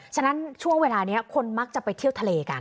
ฉะนั้นช่วงเวลานี้คนมักจะไปเที่ยวทะเลกัน